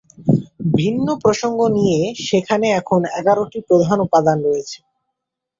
ভিন্ন প্রসঙ্গ নিয়ে সেখানে এখন এগারোটি প্রধান উদ্যান রয়েছে।